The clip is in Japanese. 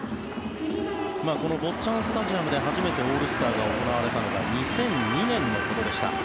この坊っちゃんスタジアムで初めてオールスターが行われたのが２００２年のことでした。